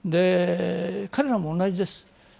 彼らも同じです。